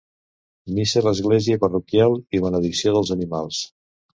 Missa a l'Església Parroquial i benedicció dels animals.